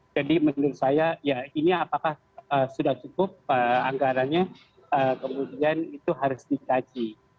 jadi menurut saya ya ini apakah sudah cukup anggarannya kemudian itu harus dikaji